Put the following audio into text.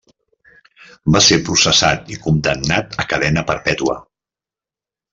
Va ser processat i condemnat a cadena perpètua.